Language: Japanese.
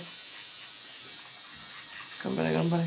頑張れ頑張れ。